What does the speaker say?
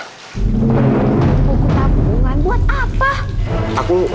buku tabungan buat apa